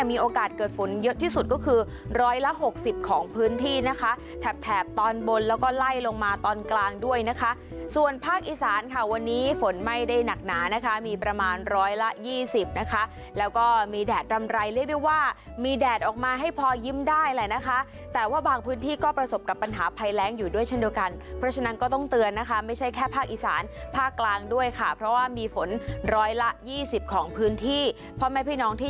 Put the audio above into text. อีสานค่ะวันนี้ฝนไม่ได้หนักหนานะคะมีประมาณร้อยละยี่สิบนะคะแล้วก็มีแดดดำไรเรียกได้ว่ามีแดดออกมาให้พอยิ้มได้แหละนะคะแต่ว่าบางพื้นที่ก็ประสบกับปัญหาภัยแรงอยู่ด้วยเช่นเดียวกันเพราะฉะนั้นก็ต้องเตือนนะคะไม่ใช่แค่ภาคอีสานภาคกลางด้วยค่ะเพราะว่ามีฝนร้อยละยี่สิบของพื้นที่เพราะไม่พี่น้องที่